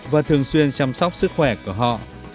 và thường xuyên chăm sóc sức khỏe của họ